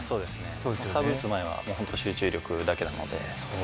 サーブ打つ前はホント集中力だけなので。